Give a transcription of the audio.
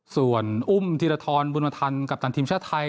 ส่วนอุ้มธีรทรบุญทันกัปตันทีมชาติไทย